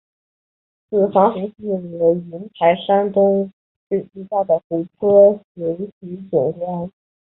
子房湖是云台山东区最大的湖泊水体景观。